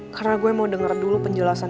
karena gue mau denger dulu penjelasan